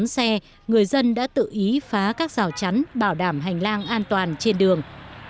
bốn xe người dân đã tự ý phá các rào chắn bảo đảm hành lang an toàn trên đường